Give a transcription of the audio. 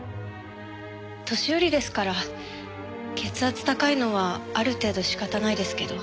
年寄りですから血圧高いのはある程度仕方ないですけど。